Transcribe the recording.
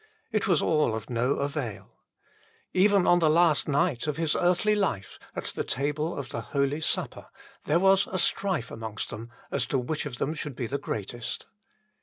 It was all of no avail. Even on the last night of His earthly life, at the table of the Holy Supper, there was a strife amongst them as to which of them should be the greatest.